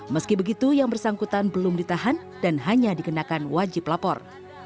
meski begitu yang bersangkutan belum ditahan dan hanya dikenakan wajib lapor